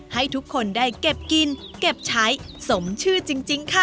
ให้ทุกคนได้เก็บกินเก็บใช้สมชื่อจริงค่ะ